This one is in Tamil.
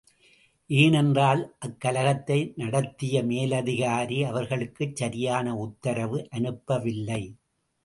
ஏனென்றால் அக்கலகத்தை நடத்திய மேலதிகாரி அவர்களுக்குச் சரியான உத்தரவு அனுப்பவில்லை.